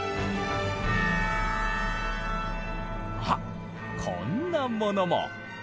あっこんなものも。